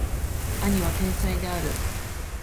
兄は天才である